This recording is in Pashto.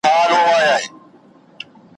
داسي ولاړ سي لکه نه وي چي راغلی `